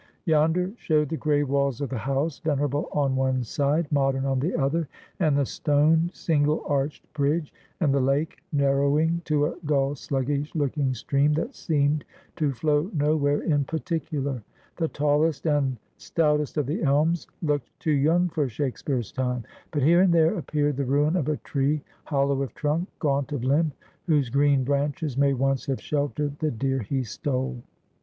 Yonder showed the gray walls of the house, venerable on one side, modern on the other, and the stone single arched bridge, and the lake, narrowing to a dull sluggish looking stream that seemed to flow nowhere in particular. The tallest and stoutest of the elms looked too young for Shakespeare's time. But here and there appeared the ruin of a tree, hollow of trunk, gaunt of limb, whose green branches may once have sheltered the deer he stole.